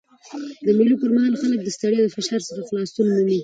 د مېلو پر مهال خلک له ستړیا او فشار څخه خلاصون مومي.